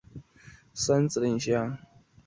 至今潮阳区已公布五批市级文物保护单位。